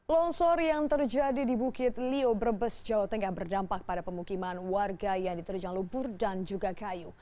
longsor yang terjadi di bukit lio brebes jawa tengah berdampak pada pemukiman warga yang diterjang lebur dan juga kayu